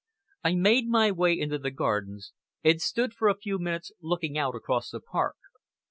I made my way into the gardens, and stood for a few minutes looking out across the park.